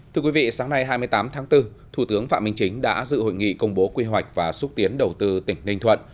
thưa quý vị sáng nay hai mươi tám tháng bốn thủ tướng phạm minh chính đã dự hội nghị công bố quy hoạch và xúc tiến đầu tư tỉnh ninh thuận